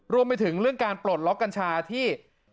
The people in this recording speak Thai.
รวมไปถึงเรื่องการปลดล็อกกัญชาที่